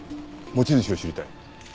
持ち主を知りたい。